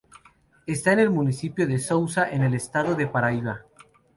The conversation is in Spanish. Está en el municipio de Sousa, en el estado de Paraíba.